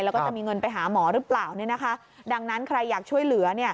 แล้วก็จะมีเงินไปหาหมอหรือเปล่าเนี่ยนะคะดังนั้นใครอยากช่วยเหลือ